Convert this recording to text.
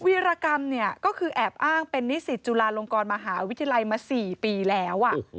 วิรกรรมเนี่ยก็คือแอบอ้างเป็นนิสิตจุฬาลงกรมหาวิทยาลัยมา๔ปีแล้ว